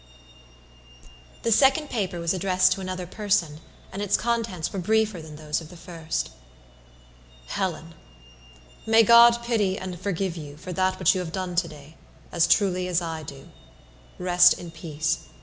The second paper was addressed to another person, and its contents were briefer than those of the first. "HELENMay God pity and forgive you for that which you have done to day, as truly as I do. Rest in peace.